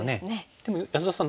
でも安田さん